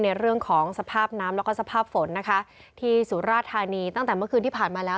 ในเรื่องของสภาพน้ำแล้วก็สภาพฝนนะคะที่สุราธานีตั้งแต่เมื่อคืนที่ผ่านมาแล้ว